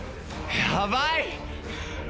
やばい！